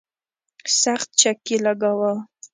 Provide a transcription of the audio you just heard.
سخت چک یې لګاوه.